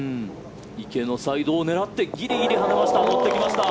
池のサイドを狙ってギリギリ跳ねました